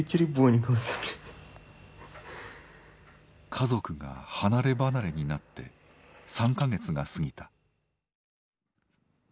家族が離れ離れになって３か月が過ぎた。